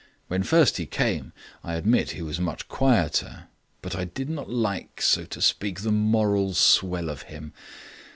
When first he came, I admit he was much quieter, but I did not like, so to speak, the moral swell of him.